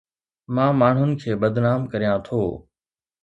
مان ماڻهن کي بدنام ڪريان ٿو